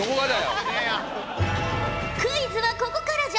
クイズはここからじゃ。